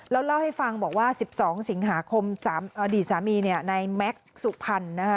แล้วเล่าให้ฟังบอกว่า๑๒สิงหาคมดีสามีในแม็กซ์สุพันธ์